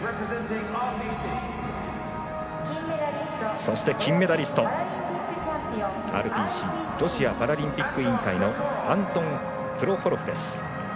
そして金メダリストＲＰＣ＝ロシアパラリンピック委員会のアントン・プロホロフです。